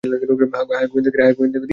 হ্যাঁ, গোয়েন্দাগিরি!